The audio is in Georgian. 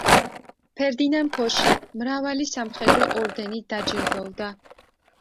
ფერდინან ფოში მრავალი სამხედრო ორდენით დაჯილდოვდა.